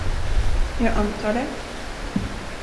Jag antar det.